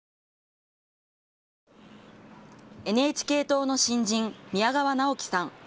ＮＨＫ党の新人、宮川直輝さん。